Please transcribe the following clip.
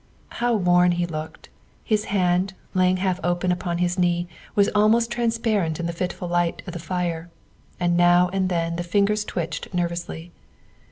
How worn he looked. His hand, lying half open upon his knee, was almost transparent in the fitful light of the fire, and now and then the fingers twitched ner vously.